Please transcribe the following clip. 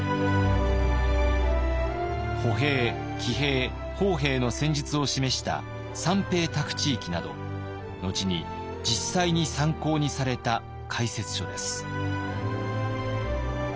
歩兵騎兵砲兵の戦術を示した「三兵答古知幾」など後に実際に参考にされた解説書です。